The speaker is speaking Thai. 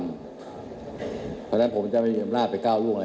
เพราะฉะนั้นผมจะไม่มีอำนาจไปก้าวร่วงอะไร